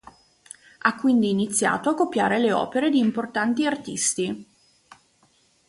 Ha quindi iniziato a copiare le opere di importanti artisti.